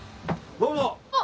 どうも。